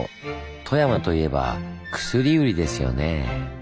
富山といえば薬売りですよね。